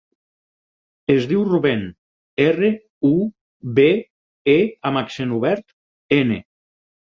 Es diu Rubèn: erra, u, be, e amb accent obert, ena.